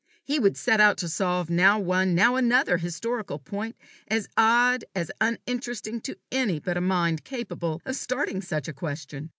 He would set out to solve now one now another historical point as odd as uninteresting to any but a mind capable of starting such a question.